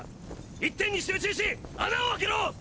一点に集中し穴を開けろ！